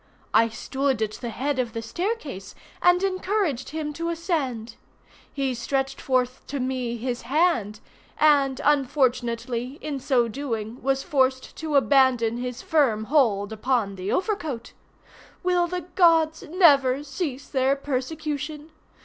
I stood at the head of the staircase, and encouraged him to ascend. He stretched forth to me his hand, and unfortunately in so doing was forced to abandon his firm hold upon the overcoat. Will the gods never cease their persecution?